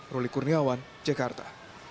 roli kurniawan jakarta